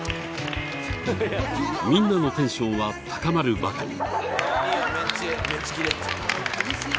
みんなのテンションは高まるばかり。